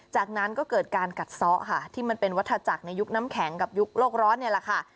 จากนั้นก็เกิดการกัดซ้อค่ะที่มันเป็นวัฒนาจักรในยุคน้ำแข็งกับยุคโลกร้อนนี่แหละค่ะ